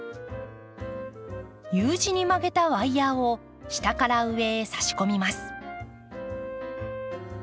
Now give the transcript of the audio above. Ｕ字に曲げたワイヤーを下から上へ差し込みます。